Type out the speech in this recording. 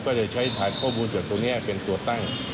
ก็เลยใช้ฐานข้อมูลจากตรงนี้เป็นตัวตั้ง